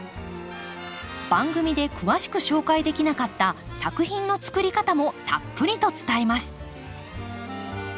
番組で詳しく紹介できなかった作品のつくり方もたっぷりと伝えます。